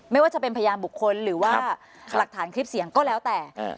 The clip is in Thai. ไม่ว่าจะเป็นพยานบุคคลหรือว่าหลักฐานคลิปเสียงก็แล้วแต่